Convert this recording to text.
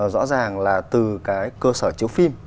rõ ràng là từ cái cơ sở chiếu phim